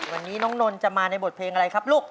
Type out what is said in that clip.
วันนี้น้องนนท์จะมาในบทเพลงอะไรครับลูก